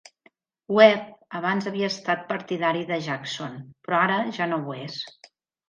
Webb abans havia estat partidari de Jackson, però ara ja no ho és.